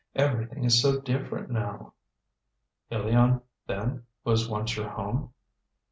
Everything is so different now." "Ilion, then, was once your home?"